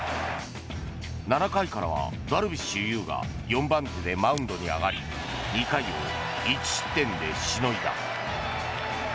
７回からはダルビッシュ有が４番手でマウンドに上がり２回を１失点でしのいだ。